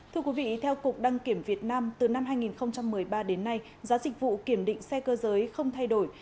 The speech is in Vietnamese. thưa quý vị theo cục đăng kiểm việt nam từ năm hai nghìn một mươi ba đến nay giá dịch vụ kiểm định xe cơ giới không thay đổi